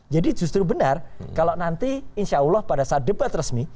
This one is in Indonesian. jadi justru benar kalau nanti insya allah pada saat debat resmi